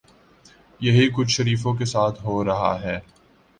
یہی کچھ شریفوں کے ساتھ ہو رہا ہے۔